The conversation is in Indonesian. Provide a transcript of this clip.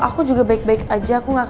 aku juga baik baik aja aku gak kenapa napa